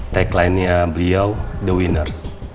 teklainya beliau the winner